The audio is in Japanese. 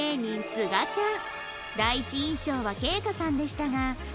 すがちゃん。